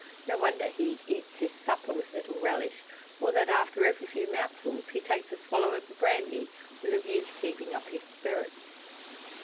No wonder he eats his supper with little relish, or that after every few mouthfuls he takes a swallow of the brandy, with a view to keeping up his spirits.